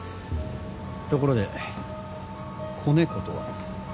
ところで子猫とは？